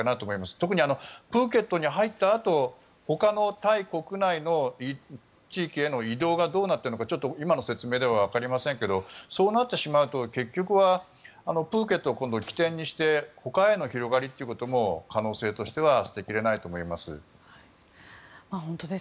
特にプーケットに入ったあとほかのタイ国内の地域への移動がどうなっているのか今の説明ではわかりませんがそうなってしまうと結局はプーケットを今度は基点にしてほかへの広がりということも可能性としては捨て切れないと思います。